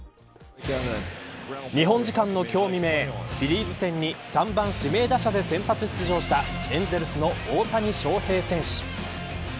日本時間の今日未明フィリーズ戦に３番、指名打者で先発出場したエンゼルスの大谷翔平選手。